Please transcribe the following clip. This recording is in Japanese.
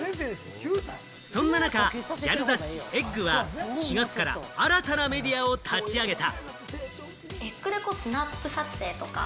そんな中、ギャル雑誌『ｅｇｇ』は４月から新たなメディアを立ち上げた。